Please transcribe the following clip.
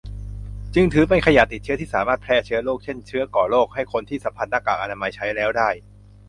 จึงถือเป็นขยะติดเชื้อที่สามารถแพร่เชื้อโรค เช่น เชื้อก่อโรค ให้คนที่สัมผัสหน้ากากอนามัยใช้แล้วได้